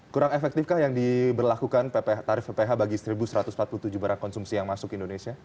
kurang efektifkah yang diberlakukan tarif pph bagi satu satu ratus empat puluh tujuh barang konsumsi yang masuk ke indonesia